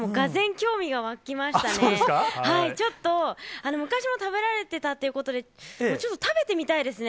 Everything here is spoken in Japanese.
ちょっと、昔は食べられてたということで、ちょっと食べてみたいですね。